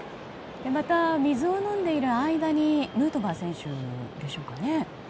また水を飲んでいる間にヌートバー選手でしょうかね。